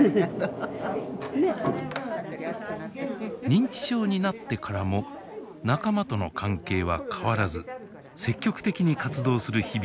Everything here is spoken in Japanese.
認知症になってからも仲間との関係は変わらず積極的に活動する日々を送っています。